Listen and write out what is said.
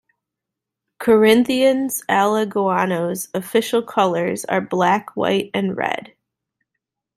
Corinthians Alagoano's official colors are black, white and red.